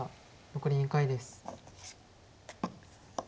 残り２回です。